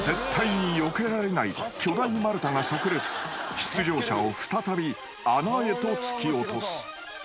［出場者を再び穴へと突き落とす］